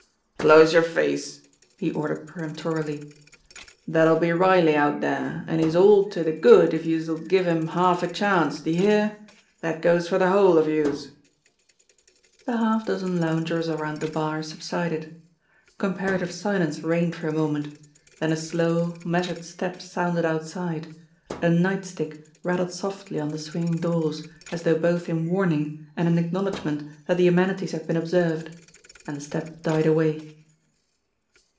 "Close yer face !" he ordered peremptorily. "Dat'll be Riley out dere, an' he's all to de 106 JIMMIE DALE AND THE PHANTOM CLUE good if youse'll give him half a chance. D'ye hear? Dat goes for de whole of youse !" The half dozen loungers around the bar subsided. Com parative silence reigned for a moment, then a slow, measured step sounded outside, a night stick rattled softly on the swinging doors, as though both in warning and in acknowl edgment that the amenities had been observed, and the step died away.